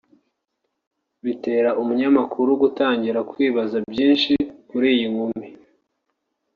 bitera umunyamakuru gutangira kwibaza byinshi kuri iyi nkumi